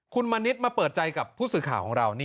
คุณมณิษฐ์มาเปิดใจกับผู้สื่อข่าวของเรา